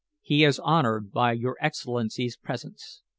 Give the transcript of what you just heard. He is honored by your Excellency's presence."